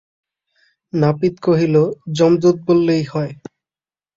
নাপিত কহিল, যমদূত বললেই হয়।